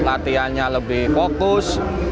latihannya lebih fokus